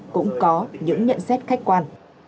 cũng có những nhận xét khách quan